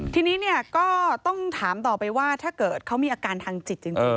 ทีนี้เนี่ยก็ต้องถามต่อไปว่าถ้าเกิดเขามีอาการทางจิตจริง